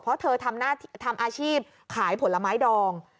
เพราะเธอทำอาชีพขายผลไม้ดอง